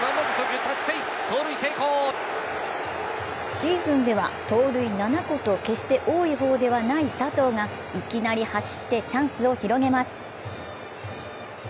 シーズンでは盗塁７個と決して多い方ではない佐藤がいきなり走ってチャンスを広げます。